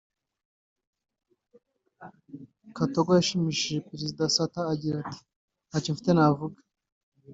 Katongo yashimiye cyane Perezida Sata agira ati “ Nta cyo mfite navuga